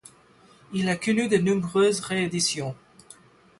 Il a connu de nombreuses rééditions.